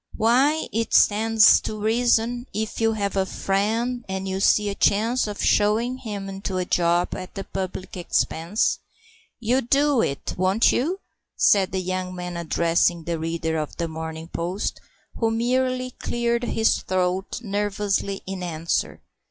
"Why, it stands to reason, if you have a friend, and you see a chance of shovin' him into a job at the public expense, you'll do it, won't you?" said the young man, addressing the reader of The Morning Post, who merely cleared his throat nervously in answer.